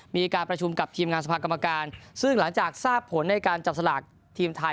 มีการประชุมกับทีมงานสภากรรมการซึ่งหลังจากทราบผลในการจับสลากทีมไทย